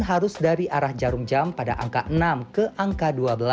harus dari arah jarum jam pada angka enam ke angka dua belas